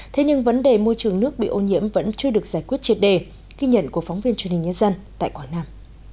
thế nhưng vấn đề môi trường nước bị ô nhiễm vẫn chưa được giải quyết triệt đề ghi nhận của phóng viên truyền hình nhân dân tại quảng nam